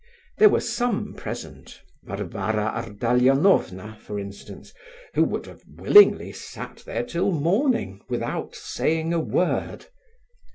There were some present—Varvara Ardalionovna, for instance—who would have willingly sat there till morning without saying a word.